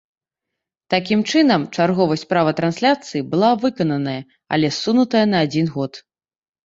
Такім чынам, чарговасць права трансляцыі была выкананая, але ссунутая на адзін год.